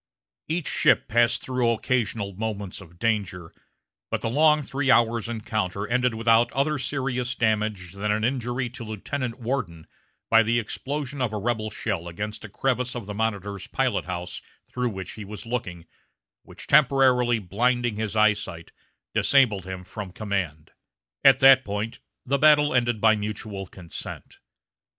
Each ship passed through occasional moments of danger, but the long three hours' encounter ended without other serious damage than an injury to Lieutenant Worden by the explosion of a rebel shell against a crevice of the Monitor's pilot house through which he was looking, which, temporarily blinding his eye sight, disabled him from command. At that point the battle ended by mutual consent.